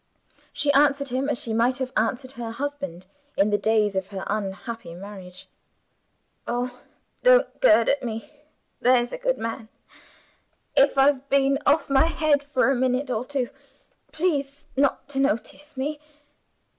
She answered him as she might have answered her husband, in the days of her unhappy marriage. "Oh, don't gird at me, there's a good man! If I've been off my head for a minute or two, please not to notice me.